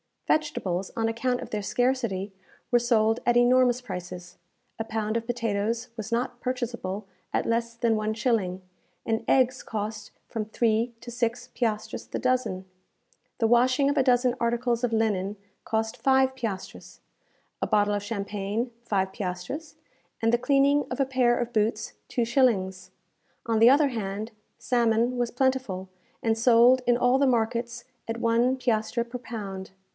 Vegetables, on account of their scarcity, were sold at enormous prices. A pound of potatoes was not purchaseable at less than one shilling, and eggs cost from three to six piastres the dozen. The washing of a dozen articles of linen cost five piastres; a bottle of champagne, five piastres; and the cleaning of a pair of boots, two shillings. On the other hand, salmon was plentiful, and sold in all the markets at one piastre per pound.